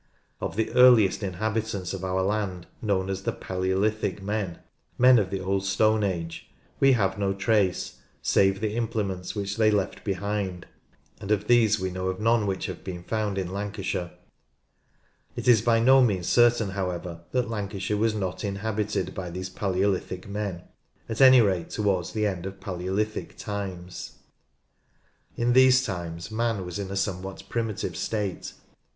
Of the earliest inhabitants of our land known as the "Palaeolithic" men — men of the Old Stone Age — we have no trace save the implements which they left behind, and of these we know of none which have been found in Lancashire. It is by no means certain however that Lancashire was not inhabited by these Palaeolithic men, at any rate towards the end of Palaeolithic times. In these times man was in a somewhat primitive state. PEOPLE— RACE, LANGUAGE, ETC.